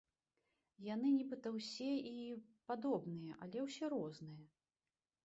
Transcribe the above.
Яны нібыта ўсе і падобныя, але ўсе розныя.